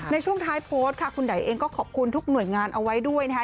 ในช่วงท้ายโพสต์ค่ะคุณไดเองก็ขอบคุณทุกหน่วยงานเอาไว้ด้วยนะคะ